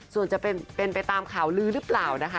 ส่วนจะเป็นไปตามข่าวลื้อหรือเปล่านะคะ